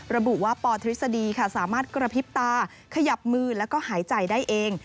ระบุว่าปธฤษฎีค่ะสามารถกระพริบตาขยับมือแล้วก็หายใจได้เอง